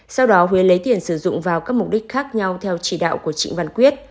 sau đó huế lấy tiền sử dụng vào các mục đích khác nhau theo chỉ đạo của trịnh văn quyết